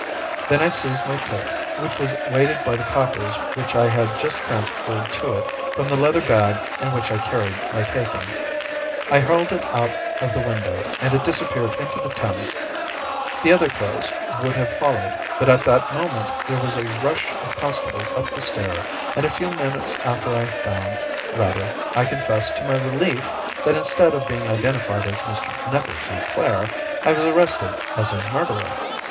Then I seized my coat, which was weighted by the coppers which I had just transferred to it from the leather bag in which I carried my takings. I hurled it out of the window, and it disappeared into the Thames. The other clothes would have followed, but at that moment there was a rush of constables up the stair, and a few minutes after I found, rather, I confess, to my relief, that instead of being identified as Mr. Neville St. Clair, I was arrested as his murderer.